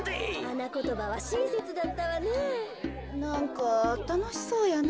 なんかたのしそうやな。